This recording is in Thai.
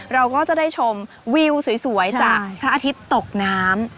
เราก็จะได้ชมวิวสวยจากพระอาทิตย์ตกน้ำ